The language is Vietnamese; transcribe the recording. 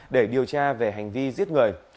để điều tra về hành vi giết người